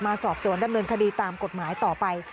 สอบสวนดำเนินคดีตามกฎหมายต่อไป